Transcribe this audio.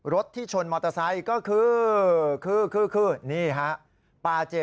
รถที่ชนมอเตอร์ไซค์ก็คือ